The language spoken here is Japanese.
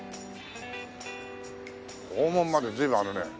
校門まで随分あるね。